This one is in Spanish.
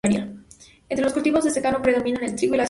Entre los cultivos de secano predominan el trigo y la cebada.